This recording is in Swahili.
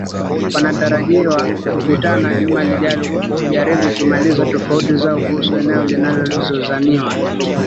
wanatarajiwa kukutana juma lijalo kujaribu kumaliza tofauti zao kuhusu eneo linalo zozaniwa